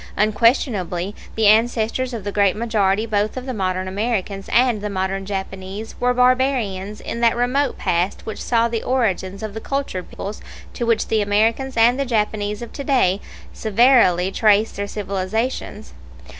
Unquestionably the ancestors of the great majority both of the modern Americans and the modern Japanese were barbarians in that remote past which saw the origins of the cultured peoples to which the Americans and the Japanese of to day severally trace their civilizations.